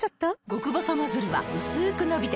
極細ノズルはうすく伸びて